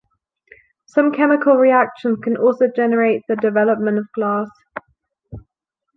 Some chemical reactions can also generate the development of glass.